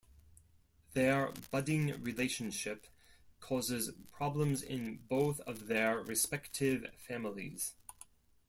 Their budding relationship causes problems in both of their respective families.